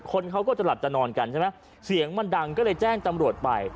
คนเขาก็จะหลับจะนอนกันใช่ไหมเสียงมันดังก็เลยแจ้งตำรวจไป